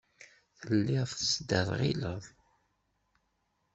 Telliḍ tettderɣileḍ.